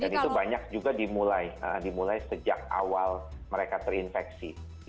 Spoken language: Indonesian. dan itu banyak juga dimulai dimulai sejak awal mereka terinfeksi